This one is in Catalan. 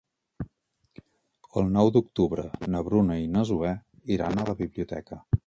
El nou d'octubre na Bruna i na Zoè iran a la biblioteca.